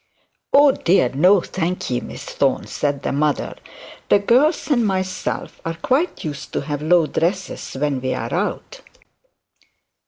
'Oh dear no! thank ye, Miss Thorne,' said the mother; 'the girls and myself are quite used to low dresses, when we're out.'